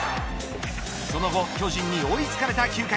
その後巨人に追いつかれた９回。